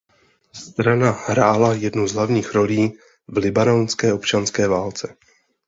Strana hrála jednu z hlavních rolí v libanonské občanské válce.